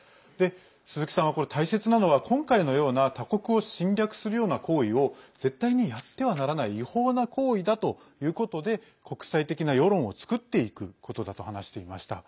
鈴木さんは大切なのは今回のような他国を侵略するような行為を絶対にやってはならない違法な行為だということで国際的な世論を作っていくことだと話していました。